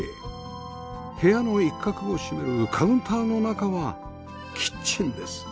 部屋の一角を占めるカウンターの中はキッチンです